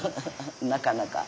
なかなか。